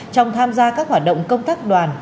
trong tham gia các hoạt động công tác đoàn